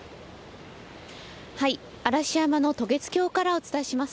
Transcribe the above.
嵐山の渡月橋からお伝えします。